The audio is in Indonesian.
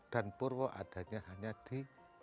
dan purwo adanya hanya di